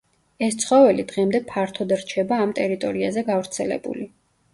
ეს ცხოველი დღემდე ფართოდ რჩება ამ ტერიტორიაზე გავრცელებული.